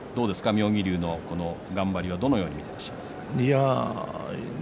妙義龍の頑張りはどのように見ていますか？